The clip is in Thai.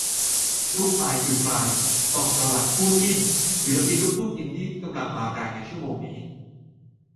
นุ๊กปาย คือใคร ส่องประวัติคู่จิ้น ศิลปินลูกทุ่งอินดี้ที่กำลังมาแรงในชั่วโมงนี้